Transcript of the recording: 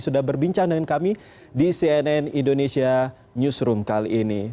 sudah berbincang dengan kami di cnn indonesia newsroom kali ini